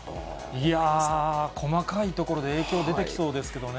いやぁ、細かいところで影響出てきそうですけどね。